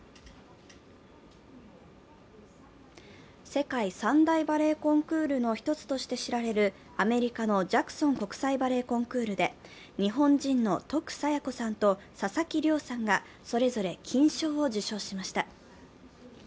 世界三大バレエコンクールの１つとして知られるアメリカのジャクソン国際バレエコンクールで、日本人の徳彩也子さんと佐々木嶺さんがそれぞれ金賞を受賞しました。